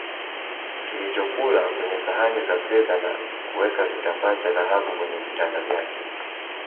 kilichokula kwenye sahani za fedha na kuweka kitambaa cha dhahabu kwenye vitanda vyake